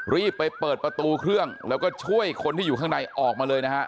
รีบไปเปิดประตูเครื่องแล้วก็ช่วยคนที่อยู่ข้างในออกมาเลยนะฮะ